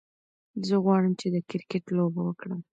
زه غواړم چې د کرکت لوبه وکړم.